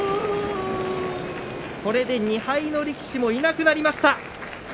これで２敗の力士もいなくなりました。